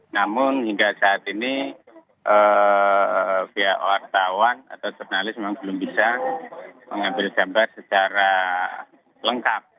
namun hingga saat ini pihak wartawan atau jurnalis memang belum bisa mengambil gambar secara lengkap